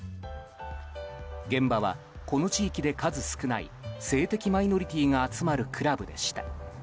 現場は、この地域で数少ない性的マイノリティーが集まるクラブでした。